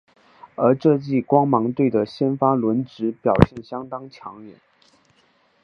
而这季光芒队的先发轮值表现相当抢眼。